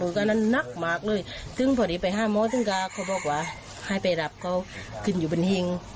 ว่าให้ไปหลับก็ขึ้นอยู่บนหิง